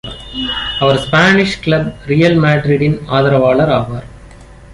அவர் Spanish club Real மாட்ரிட்டின் ஆதரவாளர் ஆவார்.